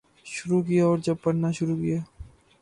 شروع کیا اور جب پڑھنا شروع کیا